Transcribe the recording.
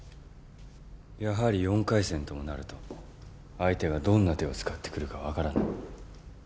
やはり４回戦ともなると相手はどんな手を使ってくるか分からない。